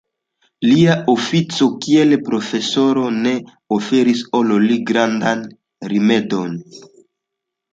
Lia ofico kiel profesoro ne oferis al li grandajn rimedojn.